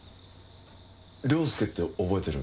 良介って覚えてる？